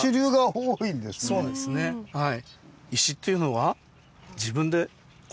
そうなんですねはい。